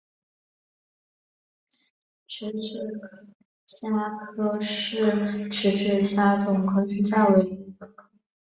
匙指虾科是匙指虾总科之下唯一的一个科。